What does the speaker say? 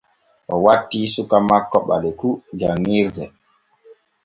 O watti suka makko Ɓaleku janŋirde.